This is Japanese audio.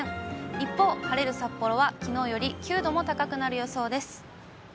一方、晴れる札幌は、きのうより９度も高くなる予想です。